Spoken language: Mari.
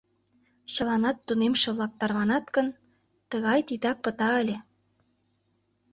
Чыланат тунемше-влак тарванат гын, тыгай титак пыта ыле!